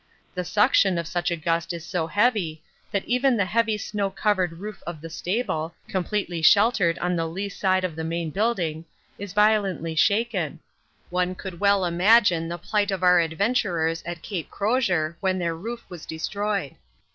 The suction of such a gust is so heavy that even the heavy snow covered roof of the stable, completely sheltered on the lee side of the main building, is violently shaken one could well imagine the plight of our adventurers at C. Crozier when their roof was destroyed.